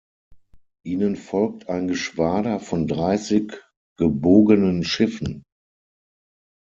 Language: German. Ihnen folgt' ein Geschwader von dreißig gebogenen Schiffen.